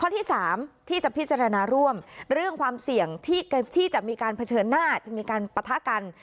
ที่๓ที่จะพิจารณาร่วมเรื่องความเสี่ยงที่จะมีการเผชิญหน้าจะมีการปะทะกัน